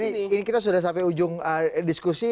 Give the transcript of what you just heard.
yang terakhir ini kita sudah sampai ujung diskusi